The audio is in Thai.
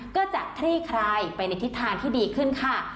ก็จะคลี่คลายไปในทิศทางที่ดีขึ้นค่ะ